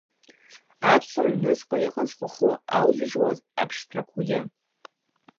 Аԥсуаа рыҩнуҵҟа иҟан зхахәы аузыжьуаз абшьҭрақәагьы.